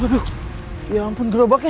aduh ya ampun gerobaknya